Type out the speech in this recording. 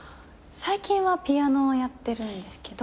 最近はピアノをやってるんですけど。